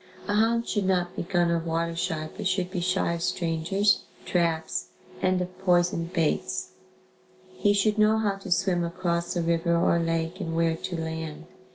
] A hound should not be gun or water shy but should be shy of strangers, traps and of poisoned baits. He should know how to swim across a river or lake and where to land.